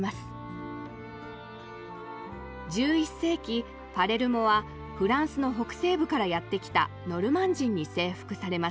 １１世紀パレルモはフランスの北西部からやって来たノルマン人に征服されます。